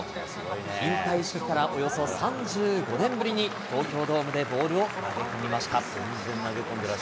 引退式からおよそ３５年ぶりに、東京ドームでボールを投げ込みました。